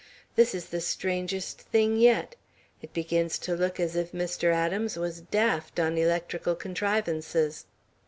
"This is the strangest thing yet. It begins to look as if Mr. Adams was daft on electrical contrivances."